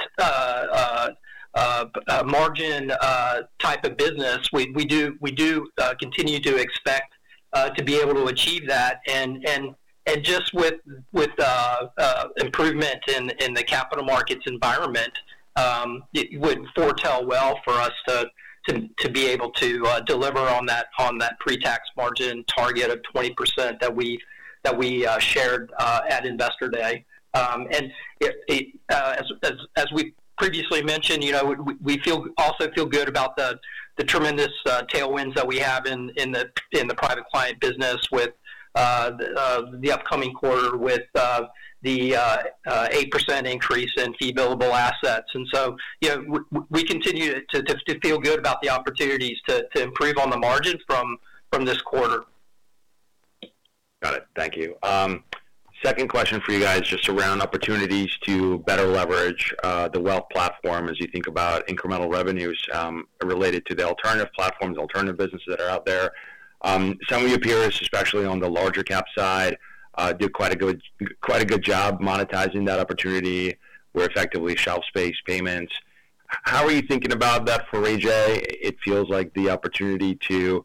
margin type of business, we do continue to expect to be able to achieve that. Just with improvement in the capital markets environment, it would foretell well for us to be able to deliver on that pre-tax margin target, of 20%, that we shared at investor day. As we previously mentioned, we also feel good about the tremendous tailwinds that we have in the private client business with the upcoming quarter with the 8%, increase in fee-billable assets. We continue to feel good about the opportunities to improve on the margin from this quarter. Got it. Thank you. Second question for you guys, just around opportunities to better leverage the Wealth Platform, as you think about incremental revenues, related to the alternative platforms, alternative businesses that are out there. Some of your peers, especially on the larger cap side, did quite a good job monetizing that opportunity with effectively shelf space payments. How are you thinking about that for AJ? It feels like the opportunity to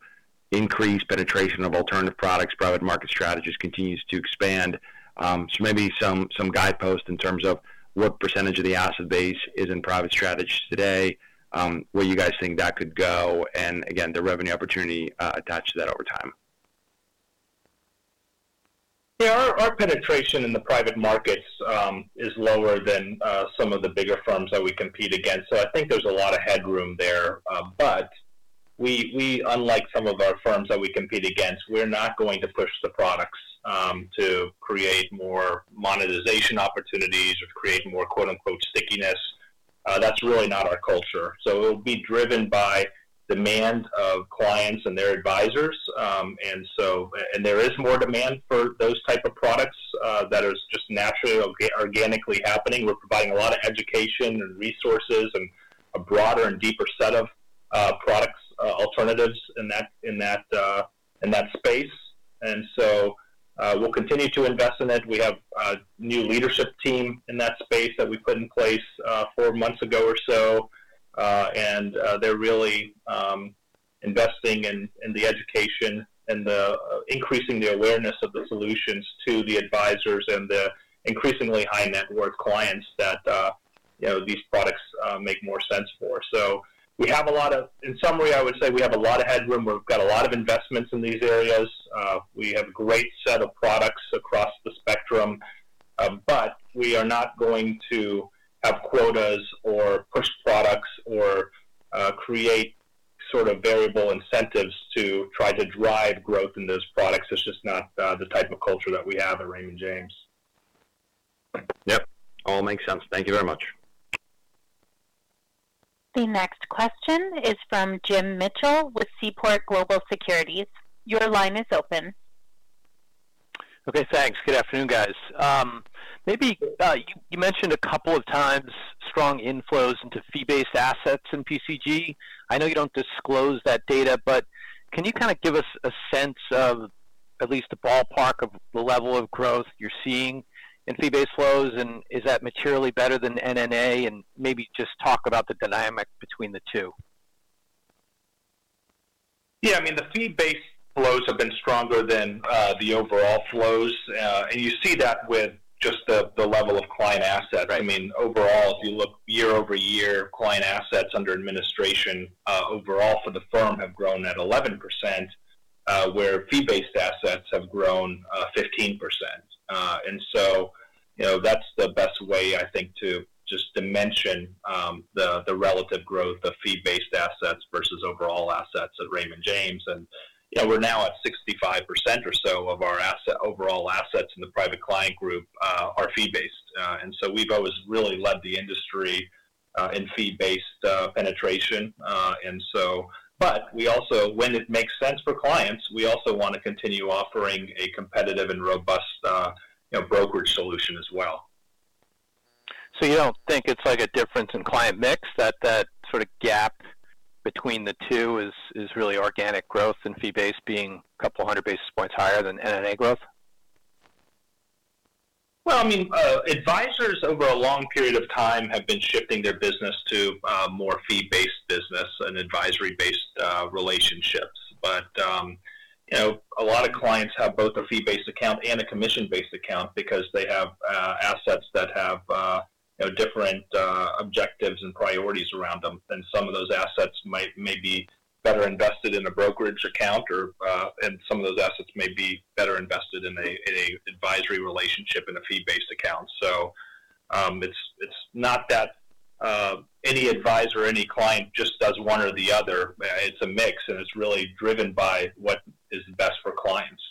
increase penetration of alternative products, private market strategies continues to expand. So maybe some guideposts in terms of what percentage of the asset base is in private strategies today, where you guys think that could go, and again, the revenue opportunity attached to that over time. Yeah. Our penetration in the private markets, is lower than some of the bigger firms that we compete against. I think there's a lot of headroom there. We, unlike some of our firms that we compete against, we're not going to push the products to create more monetization opportunities, or create more "stickiness." That's really not our culture. It will be driven by demand of clients and their advisors. There is more demand for those types of products that are just naturally, organically happening. We're providing a lot of education and resources and a broader and deeper set of product alternatives in that space. We will continue to invest in it. We have a new leadership team in that space that we put in place four months ago or so. They're really investing in the education and increasing the awareness of the solutions to the advisors and the increasingly high-net-worth clients that these products make more sense for. In summary, I would say we have a lot of headroom. We've got a lot of investments in these areas. We have a great set of products across the spectrum. We are not going to have quotas, or push products or create sort of variable incentives, to try to drive growth in those products. It's just not the type of culture that we have at Raymond James. Yep. All makes sense. Thank you very much. The next question is from Jim Mitchell, with Seaport Global Securities. Your line is open. Okay. Thanks. Good afternoon, guys. Maybe you mentioned a couple of times strong inflows into fee-based assets in PCG. I know you don't disclose that data, but can you kind of give us a sense of at least the ballpark of the level of growth, you're seeing in fee-based flows? Is that materially better than NNA? Maybe just talk about the dynamic between the two. Yeah. I mean, the fee-based flows have been stronger than the overall flows. You see that with just the level of client assets. I mean, overall, if you look year-over-year, client assets under administration overall for the firm have grown at 11%. Fee-based assets have grown 15%. That's the best way, I think, to just dimension the relative growth of fee-based assets versus overall assets at Raymond James. We're now at 65%, or so of our overall assets in the Private Client Group, are fee-based. We've always really led the industry in fee-based penetration. When it makes sense for clients, we also want to continue offering a competitive and robust brokerage solution as well. You do not think it is like a difference in client mix that that sort of gap between the two is really organic growth and fee-based being a couple hundred basis points higher than NNA growth? I mean, advisors over a long period of time have been shifting their business to more fee-based business and advisory-based relationships. A lot of clients have both a fee-based account and a commission-based account, because they have assets that have different objectives and priorities around them. Some of those assets may be better invested in a brokerage account, and some of those assets may be better invested in an advisory relationship in a fee-based account. It is not that any advisor, any client just does one or the other. It is a mix, and it is really driven by what is best for clients.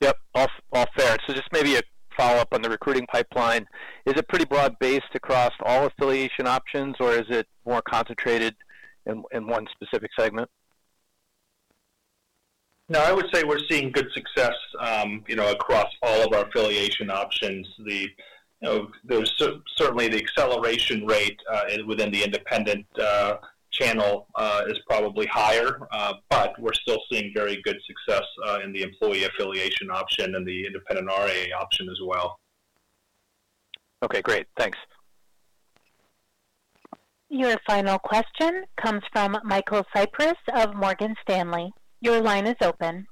Yep. All fair. Just maybe a follow-up on the recruiting pipeline. Is it pretty broad-based across all affiliation options, or is it more concentrated in one specific segment? I would say we are seeing good success across all of our affiliation options. Certainly, the acceleration rate within the independent channel is probably higher, but we are still seeing very good success in the employee affiliation option and the independent RIA, option as well. Okay. Great. Thanks. Your final question comes from Michael Cyprys, of Morgan Stanley. Your line is open.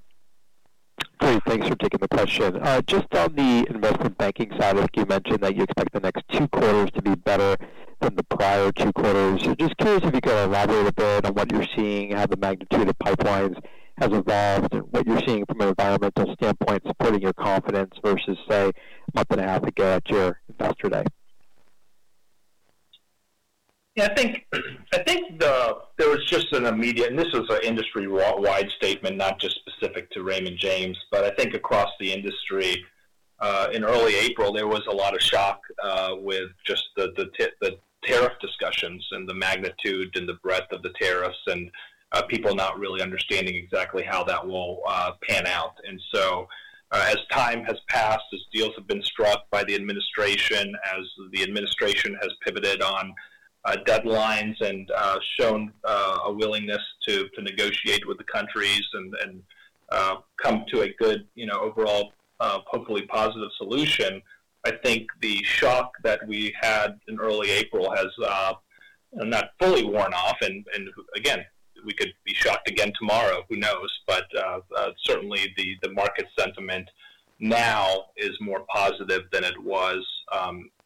Great. Thanks for taking the question. Just on the investment banking side, I think you mentioned that you expect the next two quarters to be better than the prior two quarters. Just curious if you could elaborate a bit on what you are seeing, how the magnitude of pipelines has evolved, and what you are seeing from an environmental standpoint supporting your confidence, versus, say, a month and a half ago at your investor day. I think there was just an immediate—and this was an industry-wide statement, not just specific to Raymond James—but I think across the industry. In early April, there was a lot of shock with just the tariff discussions and the magnitude and the breadth of the tariffs, and people not really understanding exactly how that will pan out. As time has passed, as deals have been struck by the administration, as the administration has pivoted on deadlines and shown a willingness to negotiate with the countries and come to a good overall, hopefully positive solution, I think the shock that we had in early April, has not fully worn off. Again, we could be shocked again tomorrow. Who knows? Certainly, the market sentiment now is more positive than it was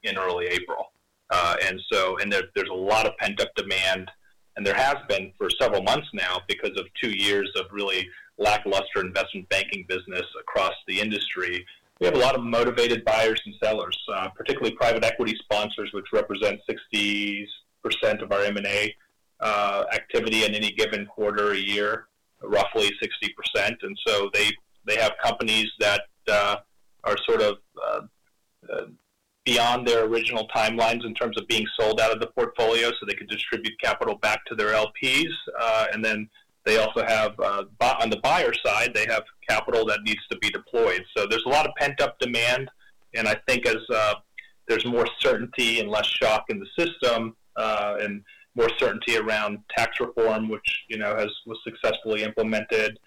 in early April. There is a lot of pent-up demand, and there has been for several months now because of two years of really lackluster investment banking business, across the industry. We have a lot of motivated buyers and sellers, particularly private equity sponsors, which represent 60%, of our M&A activity, in any given quarter or year, roughly 60%. They have companies that are sort of beyond their original timelines in terms of being sold out of the portfolio so they could distribute capital back to their LPs. They also have, on the buyer's side, capital that needs to be deployed. There is a lot of pent-up demand. I think as there is more certainty and less shock in the system, and more certainty around tax reform, which was successfully implemented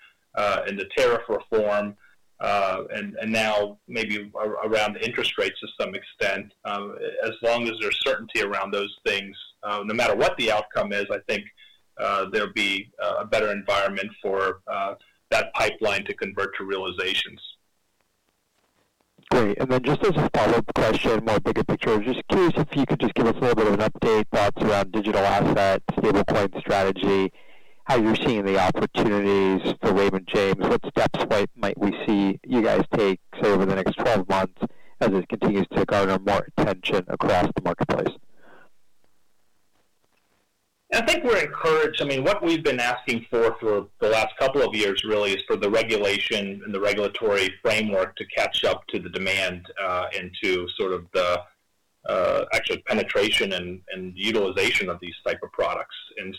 in the tariff reform, and now maybe around the interest rates to some extent, as long as there is certainty around those things, no matter what the outcome is, I think there will be a better environment for that pipeline to convert to realizations. Great. Just as a follow-up question, more bigger picture, I was just curious if you could give us a little bit of an update, thoughts around digital assets, stablecoin strategy, how you are seeing the opportunities for Raymond James. What steps might we see you take over the next 12 months as it continues to garner more attention across the marketplace? I think we are encouraged. What we have been asking for for the last couple of years really is for the regulation and the regulatory framework to catch up to the demand and to the actual penetration and utilization of these types of products. We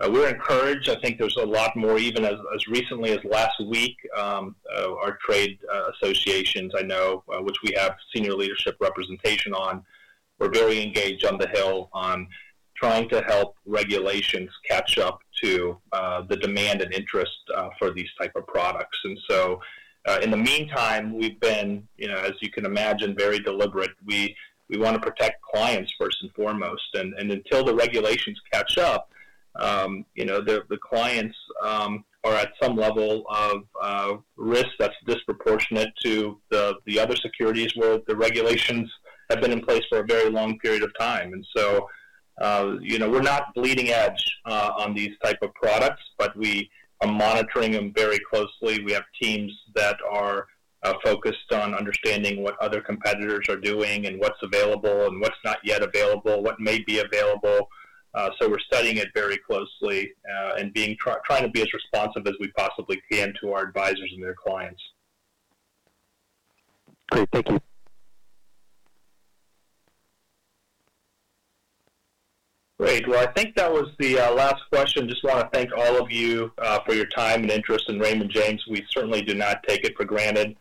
are encouraged. I think there is a lot more, even as recently as last week. Our trade associations, which we have senior leadership representation on, were very engaged on the Hill trying to help regulations catch up to the demand and interest for these types of products. In the meantime, we have been, as you can imagine, very deliberate. We want to protect clients first and foremost. Until the regulations catch up, the clients, are at some level of risk that is disproportionate to the other securities where the regulations have been in place for a very long period of time. We are not bleeding edge, on these types of products, but we are monitoring them very closely. We have teams that are focused on understanding what other competitors are doing and what is available and what is not yet available, what may be available. We are studying it very closely and trying to be as responsive as we possibly can to our advisors and their clients. Great. Thank you. Great. That was the last question. I just want to thank all of you for your time and interest in Raymond James. We certainly do not take it for granted.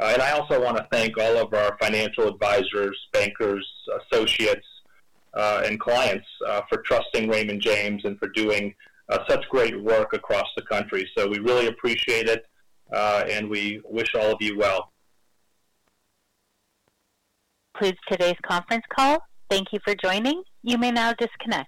I also want to thank all of our financial advisors, bankers, associates, and clients for trusting Raymond James and for doing such great work across the country. We really appreciate it. We wish all of you well. Closed today's conference call. Thank you for joining. You may now disconnect.